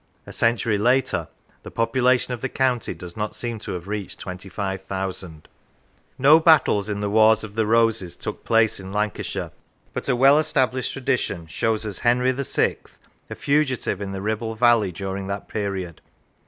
A century later the population of the county does not seem to have reached 25,000. No battles in the Wars of the Roses took place in Lancashire, but a well established tradition shows us Henry VI. a fugitive in the Ribble valley during that period.